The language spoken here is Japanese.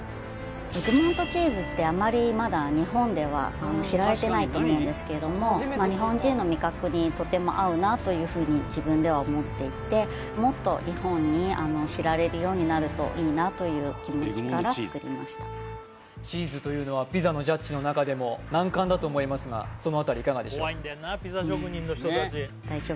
エグモントチーズってあまりまだ日本では知られてないと思うんですけれども日本人の味覚にとても合うなというふうに自分では思っていてもっと日本に知られるようになるといいなという気持ちから作りましたチーズというのはピザのジャッジの中でも難関だと思いますがそのあたりいかがでしょう？